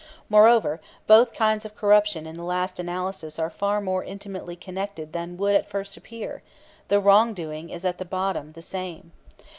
Moreover, both kinds of corruption in the last analysis are far more intimately connected than would at first sight appear; the wrong doing is at bottom the same.